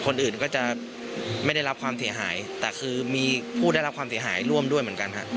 คนอื่นก็จะไม่ได้รับความเสียหายแต่คือมีผู้ได้รับความเสียหายร่วมด้วยเหมือนกันฮะ